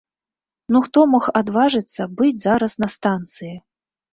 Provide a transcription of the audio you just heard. Ну хто мог адважыцца быць зараз на станцыі?